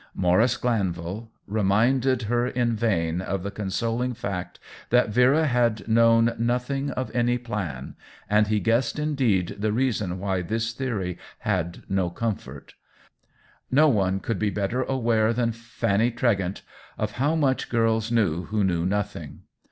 Mau rice Glanvil reminded her in vain of the consoling fact that Vera had known nothing of any plan, and he guessed, indeed, the reason why this theory had no comfort. No one could be better aware than Fanny Tre gent of how much girls knew who knew nothing.